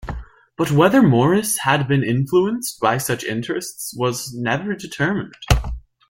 But whether Morris had been influenced by such interests was never determined.